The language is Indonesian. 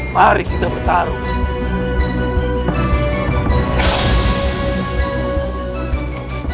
mari kita bertarung